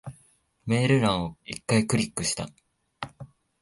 メール欄を一回クリックした。